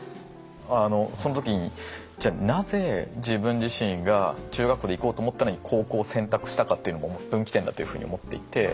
その時にじゃあなぜ自分自身が中学校で行こうと思ったのに高校を選択したかっていうのも分岐点だというふうに思っていて。